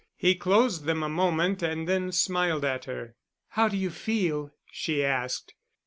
He closed them a moment and then smiled at her. "How do you feel?" she asked.